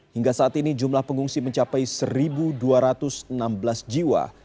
hingga saat ini jumlah pengungsi mencapai satu dua ratus enam belas jiwa